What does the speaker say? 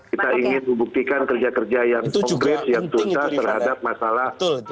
kita ingin membuktikan kerja kerja yang konkret yang tuntas terhadap masalah